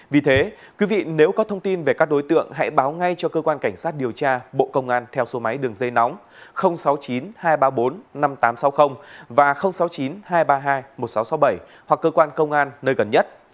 vì thế quý vị nếu có thông tin về các đối tượng hãy báo ngay cho cơ quan cảnh sát điều tra bộ công an theo số máy đường dây nóng sáu mươi chín hai trăm ba mươi bốn năm nghìn tám trăm sáu mươi và sáu mươi chín hai trăm ba mươi hai một nghìn sáu trăm sáu mươi bảy hoặc cơ quan công an nơi gần nhất